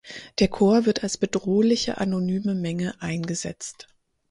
Der Chor wird als bedrohliche anonyme Menge eingesetzt.